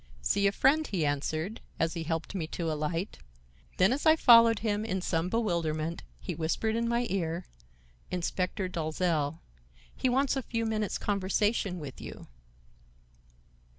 "See a friend," he answered, as he helped me to alight. Then as I followed him in some bewilderment, he whispered in my ear: "Inspector Dalzell. He wants a few minutes conversation with you."